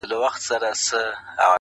ګوندي نن وي که سبا څانګه پیدا کړي؛